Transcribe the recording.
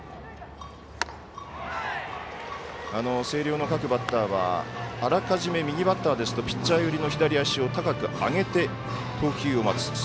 星稜の各バッターは、あらかじめ右バッターですとピッチャー寄りの左足を高く上げて投球を待つ。